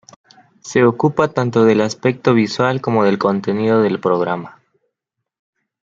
Se ocupa tanto del aspecto visual como del contenido del programa.